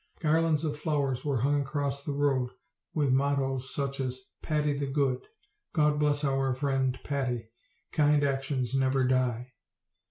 Garlands of flowers were hung across the road with mottoes such as "Patty the Good," "God bless our friend Patty," "Kind actions never die."